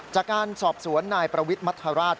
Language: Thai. จากการสอบสวนนายประวิทย์มัธราช